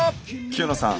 清野さん。